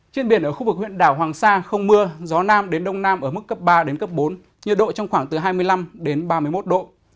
trên biển ở khu vực huyện đảo hoàng sa không mưa gió nam đến đông nam ở mức cấp ba đến cấp bốn nhiệt độ trong khoảng từ hai mươi năm đến ba mươi một độ